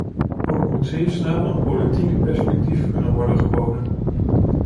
Ook moet zeer snel een politiek perspectief kunnen worden geboden.